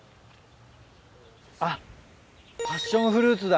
あっパッションフルーツだ。